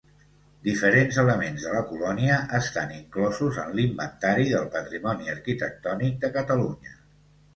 Diferents elements de la colònia estan inclosos en l'Inventari del Patrimoni Arquitectònic de Catalunya.